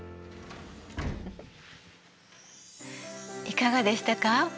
いかがでしたか？